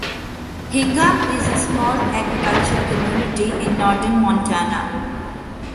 Hingham is a small agricultural community in northern Montana.